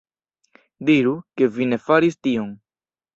Diru, ke vi ne faris tion!